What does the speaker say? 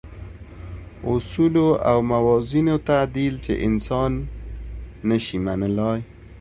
اصولو او موازینو تعدیل چې انسان نه شي منلای.